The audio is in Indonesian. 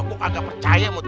gue kagak percaya mut